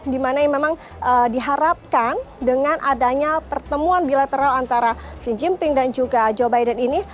dimana memang diharapkan dengan adanya pertemuan bilateral antara xi jinping dan juga joe biden ini